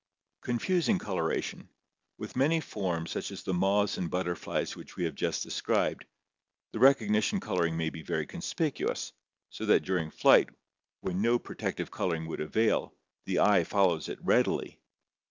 Confusing Coloration. — With many forms such as the moths and butterflies which we have just described, the recognition color ing may be very conspicuous, so that during flight, when no pro tective coloring would avail, the eye follows it readily.